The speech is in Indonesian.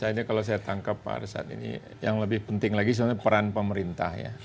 sebenarnya kalau saya tangkap pak arisan ini yang lebih penting lagi sebenarnya peran pemerintah ya